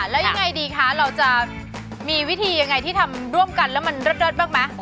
แล้วยังไงดีคะเราจะมีวิธียังไงที่ทำร่วมกันแล้วมันเลิศบ้างไหม